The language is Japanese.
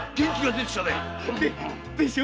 でしょ